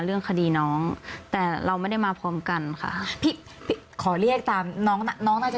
เรื่องคดีน้องแต่เราไม่ได้มาพร้อมกันค่ะพี่ขอเรียกตามน้องน้องน่าจะ